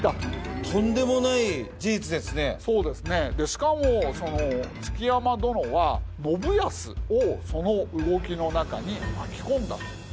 しかも築山殿は信康をその動きの中に巻き込んだ。